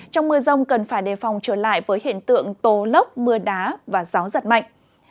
trong mưa rông cần phải đề phòng trở lại với hiện tượng tố lốc mưa đá và gió giật mạnh